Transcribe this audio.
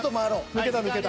抜けた抜けた。